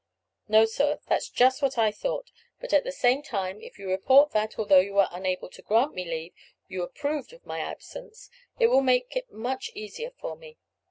"No, sir, that's just what I thought; but at the same time, if you report that, although you were unable to grant me leave, you approved of my absence, it will make it much easier for me.